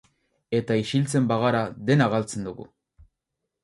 Eta isiltzen bagara, dena galtzen dugu.